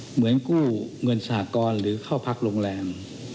เหมือนกู้เงินสหกรณ์หรือเข้าพักโรงแรม